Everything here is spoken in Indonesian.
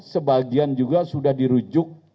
sebagian juga sudah dirujuk